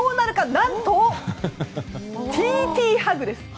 何と、ＴＴハグです。